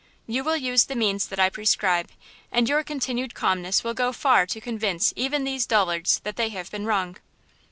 You will use the means that I prescribe and your continued calmness will go far to convince even these dullards that they have been wrong."